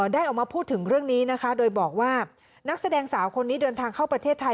ได้ออกมาพูดถึงเรื่องนี้นะคะโดยบอกว่านักแสดงสาวคนนี้เดินทางเข้าประเทศไทย